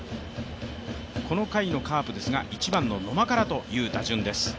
この回のカープですが、１番の野間からという打順です。